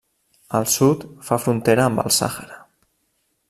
Al sud, fa frontera amb el Sàhara.